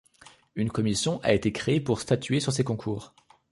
Une commission a été créée pour statuer sur ces concours.